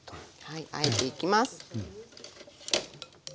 はいあえていきます。